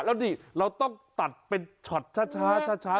แล้วนี่เราต้องตัดเป็นช็อตช้า